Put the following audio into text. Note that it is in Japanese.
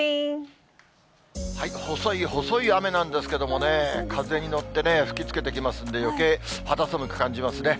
細い細い雨なんですけれどもね、風に乗って吹き付けてきますんで、よけい、肌寒く感じますね。